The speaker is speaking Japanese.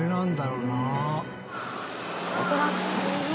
うわっすごい。